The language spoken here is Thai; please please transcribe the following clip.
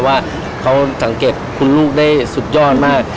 ว่าเขาสังเกตคุณลูกได้สุดยอดมาก